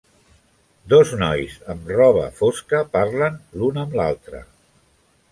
Dos nois amb roba fosca parlen l'un amb l'altre.